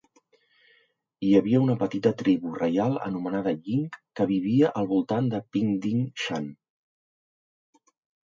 Hi havia una petita tribu reial anomenada Ying que vivia al voltant de Pingdingshan.